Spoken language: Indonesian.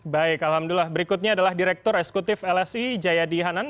baik alhamdulillah berikutnya adalah direktur eksekutif lsi jayadi hanan